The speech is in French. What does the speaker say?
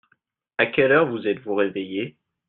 À quelle heure vous êtes-vous réveillés ?